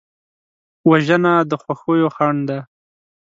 وژنه د خوښیو خنډ ده